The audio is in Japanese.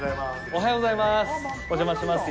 おはようございます。